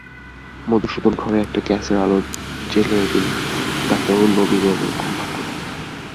মধুসূদন ঘরে একটা গ্যাসের আলো জ্বেলে দিলে, তাতেও নবীনের ঘুম ভাঙল না।